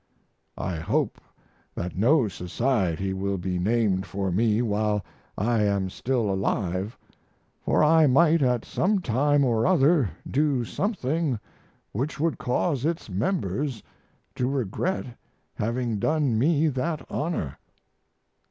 I hope that no society will be named for me while I am still alive, for I might at some time or other do something which would cause its members to regret having done me that honor.